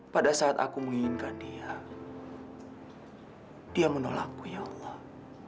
pada saat aku menginginkan dia dia menolakku ya allah